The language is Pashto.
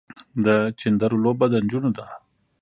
د چيندرو لوبه د نجونو ده.